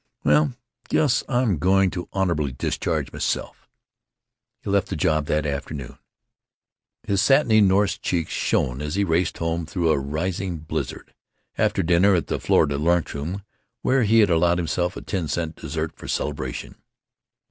Well, guess I'm going to honorably discharge myself!" He left the job that afternoon. His satiny Norse cheeks shone as he raced home through a rising blizzard, after dinner at the Florida Lunch Room, where he had allowed himself a ten cent dessert for celebration.